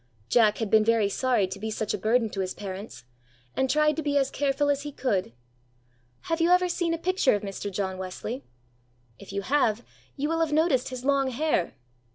Jack had been very sorry to be such a burden to his parents, and tried to be as careful as he could. Have you ever seen a picture of Mr. John Wesley? If you have, you will have noticed his long hair.